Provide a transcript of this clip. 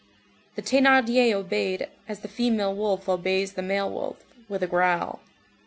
The Thénardier obeyed, as the female wolf obeys the male wolf, with a growl.